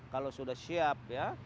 kalau sudah siap ya